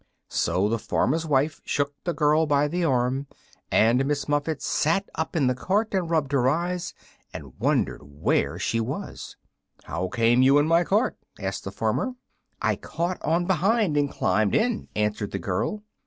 So the farmer's wife shook the girl by the arm, and Miss Muffet sat up in the cart and rubbed her eyes and wondered where she was. "How came you in my cart?" asked the farmer. "I caught on behind, and climbed in," answered the girl.